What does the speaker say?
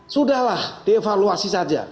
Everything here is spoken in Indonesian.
sudahlah dievaluasi saja